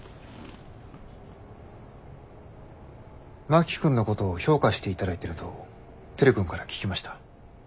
真木君のことを評価していただいてると照君から聞きました。